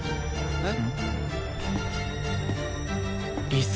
えっ？